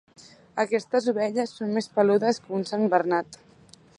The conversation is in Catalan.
Aquestes ovelles són més peludes que un sant Bernat.